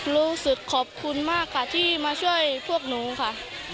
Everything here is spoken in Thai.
รู้สึกขอบคุณมากค่ะที่มาช่วยพวกหนูค่ะ